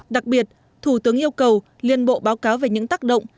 đặc biệt thủ tướng yêu cầu liên bộ báo cáo về những tác động